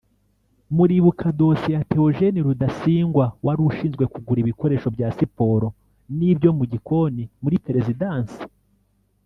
muribuka dosiye ya Theogene Rudasingwa wari ushinzwe kugura ibikoresho bya Siporo n’ibyo mu gikoni muri Perezidanse